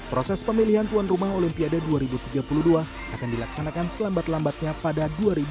proses pemilihan tuan rumah olimpiade dua ribu tiga puluh dua akan dilaksanakan selambat lambatnya pada dua ribu dua puluh